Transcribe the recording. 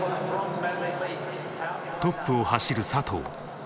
トップを走る佐藤。